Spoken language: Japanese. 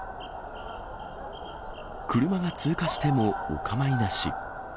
車が通過しても、お構いなし。